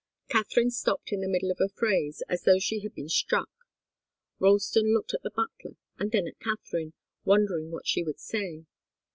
Katharine stopped in the middle of a phrase, as though she had been struck. Ralston looked at the butler and then at Katharine, wondering what she would say.